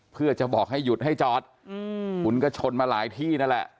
เพื่อจะบอกให้หยุดให้จอดคุณก็ชนมาหลายที่นั่นแหละ